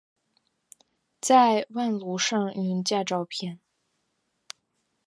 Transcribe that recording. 在網路上用假照片